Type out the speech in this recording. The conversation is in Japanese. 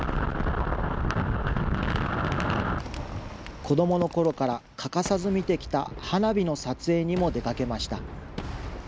子どものころから欠かさず見てきた花火の撮影にも出かけました。